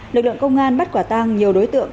lực lượng công an bắt quả tang nhiều đối tượng